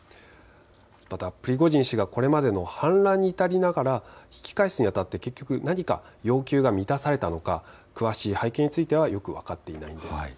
またプリゴジン氏がこれまでの反乱に至りながら引き返すにあたって結局何か要求が満たされたのか詳しい背景についてはよく分かっていないんです。